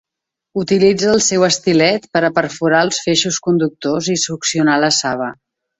Utilitza el seu estilet per a perforar els feixos conductors i succionar la saba.